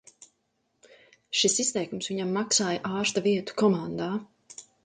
Šis izteikums viņam maksāja ārsta vietu komandā.